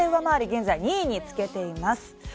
現在２位につけています。